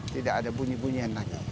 tidak ada bunyi bunyian lagi